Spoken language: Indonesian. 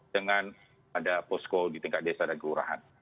dengan ada post call di tingkat desa dan kelurahan